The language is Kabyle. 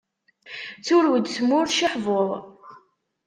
Turew-d tmurt ciḥbuḍ.